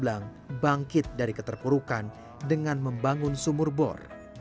agus berhasil membuat perawatan intensif